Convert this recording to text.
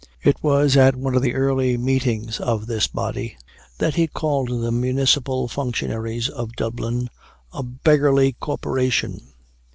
It was at one of the early meetings of this body that he called the municipal functionaries of Dublin, "a beggarly Corporation."